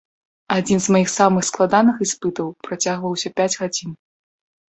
Адзін з маіх самых складаных іспытаў працягваўся пяць гадзін.